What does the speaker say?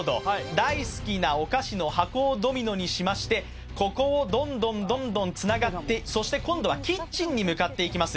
大好きなお菓子の箱をドミノにしましてここをどんどんどんどんつながってそして今度はキッチンに向かっていきます